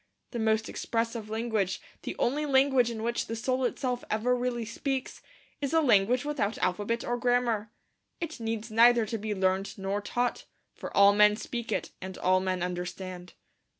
The most expressive language, the only language in which the soul itself ever really speaks, is a language without alphabet or grammar. It needs neither to be learned nor taught, for all men speak it, and all men understand.